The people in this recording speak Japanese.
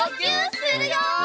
するよ！